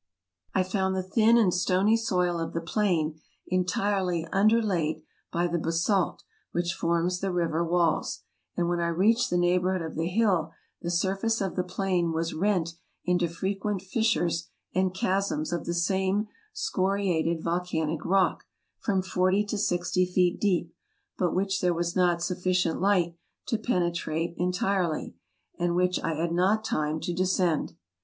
I found the thin and stony soil of the plain entirely under laid by the basalt which forms the river walls ; and when I reached the neighborhood of the hill the surface of the plain was rent into frequent fissures and chasms of the same scori ated volcanic rock, from forty to sixty feet deep, but which there was not sufficient light to penetrate entirely, and which I had not time to descend.